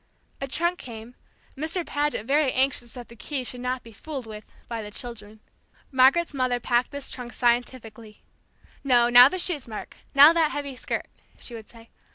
A trunk came, Mr. Paget very anxious that the keys should not be "fooled with" by the children. Margaret's mother packed this trunk scientifically. "No, now the shoes, Mark now that heavy skirt," she would say.